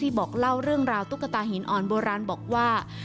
บอกเล่าเรื่องราวตุ๊กตาหินอ่อนโบราณบอกว่า